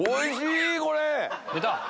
出た！